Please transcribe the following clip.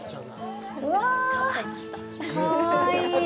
うわぁ、かわいい！